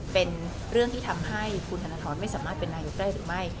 เป็นเรื่องที่ทำให้คุณธนทรไม่สามารถเป็นนายกได้หรือไม่